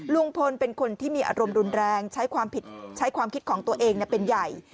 ลุงพลเป็นคนที่มีอารมณ์รุนแรงใช้ความผิดใช้ความคิดของตัวเองเป็นใหญ่